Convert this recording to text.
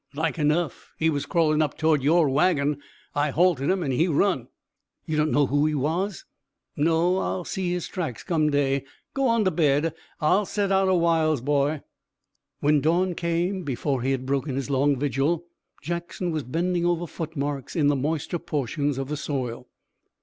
"Like enough. He was crawlin' up towards yore wagon, I halted him an' he run." "You don't know who he was?" "No. I'll see his tracks, come day. Go on to bed. I'll set out a whiles, boy." When dawn came, before he had broken his long vigil, Jackson was bending over footmarks in the moister portions of the soil.